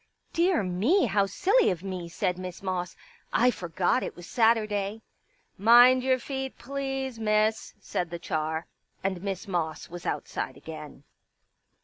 " Dear me — how silly of me," said Miss Moss. I forgot it was Saturday." 163 Pictures " Mind your feet, please. Miss," said the char. ■ And Miss Moss was outside again.